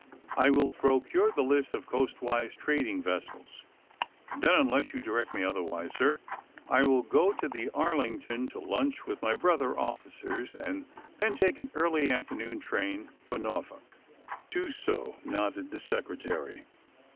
^'I will procure the list of coastwise trading vessels. Then, unless you direct me otherwise, sir, I will go to the Arling ton to lunch with my brother officers, and then take an early afternoon train for Norfolk. '' 20 THE SUBMAEINE BOYS ^^Do so," nodded the Secretary.